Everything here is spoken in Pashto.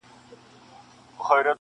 شیرنۍ ته ریسوت وایې ډېر ساده یې,